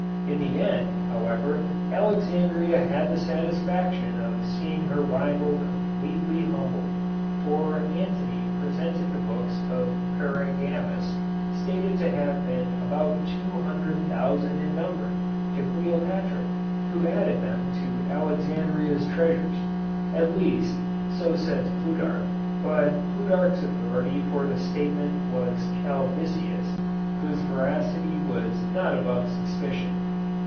In the end, however, Alexandria had the satisfaction of seeing her rival completely humbled, for Antony presented the books of Pergamus, stated to have been about two hundred thousand in number, to Cleopatra, who added them to Alexandria's treasures. At least, so says Plutarch, but Plutarch's authority for the statement was Calvisius, whose veracity was not above suspicion.